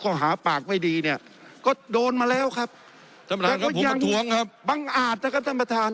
ก็หาปากไม่ดีเนี่ยก็โดนมาแล้วครับท่านประธานครับบังอาจนะครับท่านประธาน